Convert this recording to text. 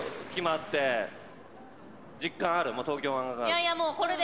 いやいやもうこれで。